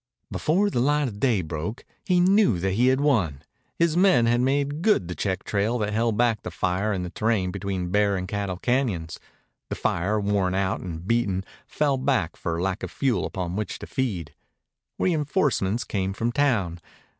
Before the light of day broke he knew that he had won. His men had made good the check trail that held back the fire in the terrain between Bear and Cattle Cañons. The fire, worn out and beaten, fell back for lack of fuel upon which to feed. Reinforcements came from town.